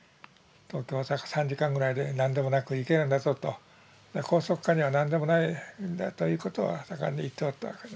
東京大阪３時間ぐらいで何でもなく行けるんだぞと高速化には何でもないんだということは盛んに言っておったわけでね。